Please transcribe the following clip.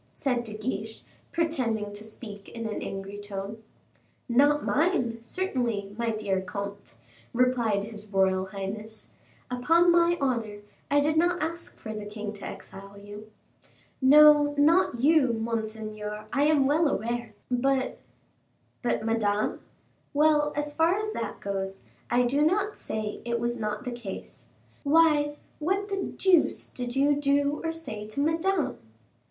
said De Guiche, pretending to speak in an angry tone. "Not mine, certainly, my dear comte," replied his royal highness, "upon my honor, I did not ask for the king to exile you " "No, not you, monseigneur, I am well aware; but " "But Madame; well, as far as that goes, I do not say it was not the case. Why, what the deuce did you do or say to Madame?"